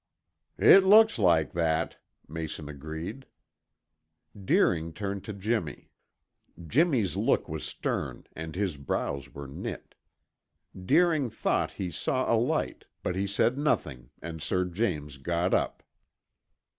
"It looks like that," Mayson agreed. Deering turned to Jimmy. Jimmy's look was stern and his brows were knit. Deering thought he saw a light, but he said nothing and Sir James got up.